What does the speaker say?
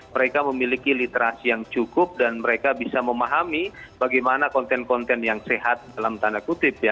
mereka memiliki literasi yang cukup dan mereka bisa memahami bagaimana konten konten yang sehat dalam tanda kutip ya